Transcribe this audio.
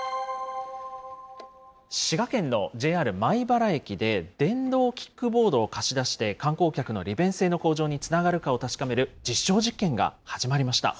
滋賀県のＪＲ米原駅で電動キックボードを貸し出して、観光客の利便性の向上につながるかを確かめる実証実験が始まりました。